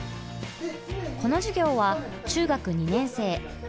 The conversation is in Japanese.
この授業は中学２年生。